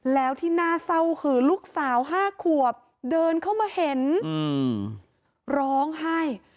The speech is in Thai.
แล้วที่น่าเศร้าคือลูกสาว๕ขวบเดินเข้ามาเห็นร้องไห้